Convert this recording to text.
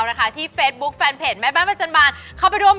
วันนี้ขอบคุณมากเลยนะแง่ม